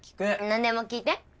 なんでも聞いて。